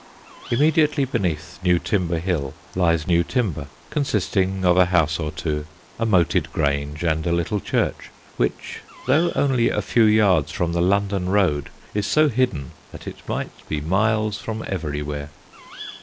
Immediately beneath Newtimber Hill lies Newtimber, consisting of a house or two, a moated grange, and a little church, which, though only a few yards from the London road, is so hidden that it might be miles from everywhere.